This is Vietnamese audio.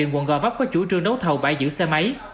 quận gò vấp có chủ trương đấu thầu bãi giữ xe máy